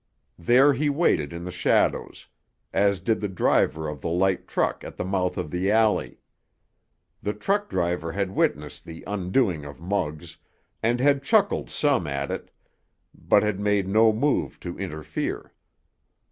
There he waited in the shadows, as did the driver of the light truck at the mouth of the alley. The truck driver had witnessed the undoing of Muggs, and had chuckled some at it, but had made no move to interfere.